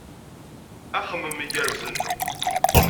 Axemmem igerrzen!